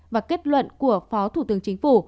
và kết luận của phó thủ tướng chính phủ